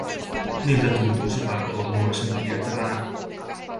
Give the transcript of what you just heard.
Miltä tuntuisikaan olla moisen vietävänä?